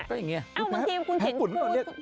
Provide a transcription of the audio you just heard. ก็อย่างเงี้ย